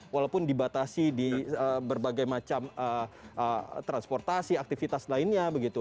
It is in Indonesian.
walaupun dibatasi di berbagai macam transportasi aktivitas lainnya begitu